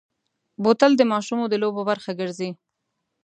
بوتل د ماشومو د لوبو برخه ګرځي.